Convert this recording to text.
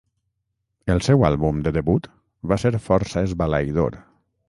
El seu àlbum de debut va ser força esbalaïdor.